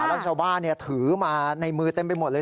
แล้วชาวบ้านถือมาในมือเต็มไปหมดเลย